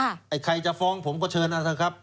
ไอ้ใครจะฟ้องผมก็เชิญนะครับ